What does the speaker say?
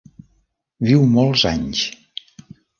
Viu molts anys.